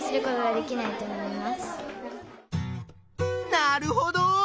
なるほど！